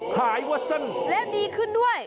หายวันฉันเล่นดีขึ้นด้วย